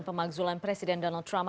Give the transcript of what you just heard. pemakzulan presiden donald trump